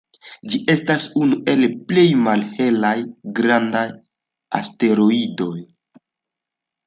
Ĝi estas unu el plej malhelaj grandaj asteroidoj.